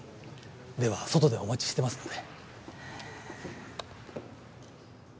では外でお待ちしてますので。